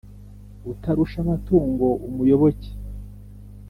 utarusha amatungo umuyoboke,